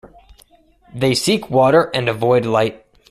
They seek water and avoid light.